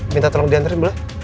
minta tolong diantarin mbak